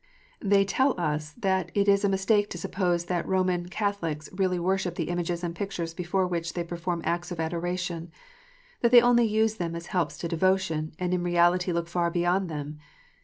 * They tell us, that it is a mistake to suppose that Roman Catholics really worship the images and pictures before which they perform acts of adoration; that they only use them as helps to devotion, and in reality look far beyond them.